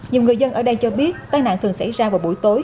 nhiều người dân ở đây cho biết tai nạn thường xảy ra vào buổi tối